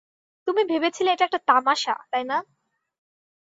তুমি ভেবেছিলে এটা একটা তামাশা, তাই না?